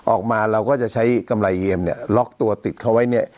ออกมาเราก็จะใช้กำไรเอียมเนี่ยล็อกตัวติดเขาไว้เนี่ย